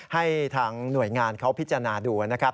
ให้ทางหน่วยงานเขาพิจารณาดูนะครับ